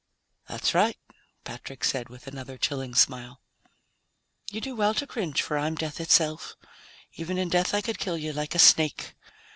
"That's right," Patrick said with another chilling smile. "You do well to cringe, for I'm death itself. Even in death I could kill you, like a snake."